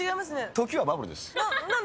時はバブルです。